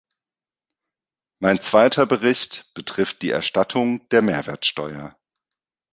Mein zweiter Bericht betrifft die Erstattung der Mehrwertsteuer.